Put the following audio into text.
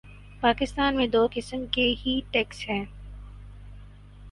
پاکستان میں دو قسم کے ہی ٹیکس ہیں۔